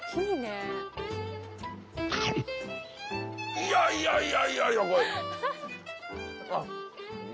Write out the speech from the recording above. ・いやいやいやいやいや。